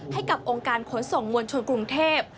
ให้กับองค์การขนส่งมวลชนกรุงเทพ